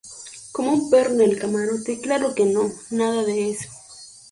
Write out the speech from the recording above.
como un perro en el camarote. claro que no, nada de eso.